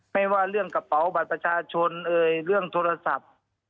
ไม่ว่าเรื่องกระเป๋าบัตรประชาชนเอ่ยเรื่องโทรศัพท์